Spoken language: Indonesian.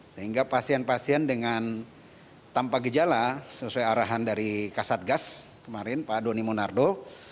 sehingga pasien pasien dengan tanpa gejala sesuai arahan dari kasatgas kemarin pak doni monardo